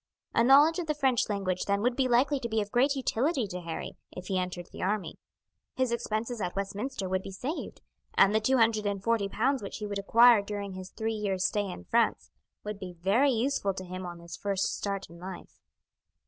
A knowledge of the French language then would be likely to be of great utility to Harry if he entered the army; his expenses at Westminster would be saved, and the two hundred and forty pounds which he would acquire during his three years' stay in France would be very useful to him on his first start in life.